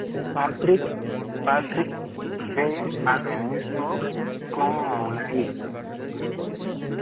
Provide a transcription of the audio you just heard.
Patrick ve a Denise Fox como a una hija.